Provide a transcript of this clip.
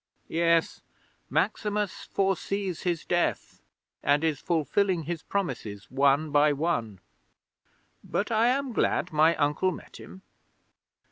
Yes, Maximus foresees his death, and is fulfilling his promises one by one. But I am glad my uncle met him."'